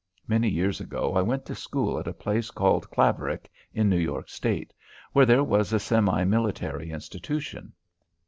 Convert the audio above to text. Many years ago, I went to school at a place called Claverack, in New York State, where there was a semi military institution.